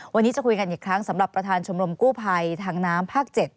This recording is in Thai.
วันนี้จะคุยกันอีกครั้งสำหรับประธานชมรมกู้ภัยทางน้ำภาค๗